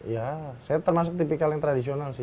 ya saya termasuk tipikal yang tradisional sih